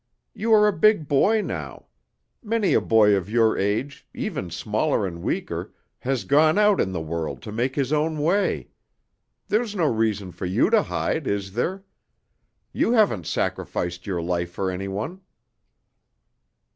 You are a big boy now. Many a boy of your age, even smaller and weaker, has gone out in the world to make his own way. There's no reason for you to hide, is there? You haven't sacrificed your life for anyone."